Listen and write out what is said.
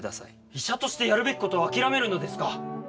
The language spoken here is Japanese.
医者としてやるべきことを諦めるのですか？